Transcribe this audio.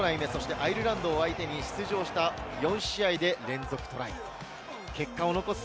アイルランド相手に出場した試合で５トライ目。